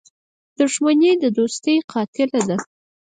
• دښمني د دوستۍ قاتله ده.